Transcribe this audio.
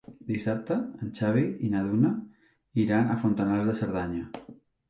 Dissabte en Xavi i na Duna iran a Fontanals de Cerdanya.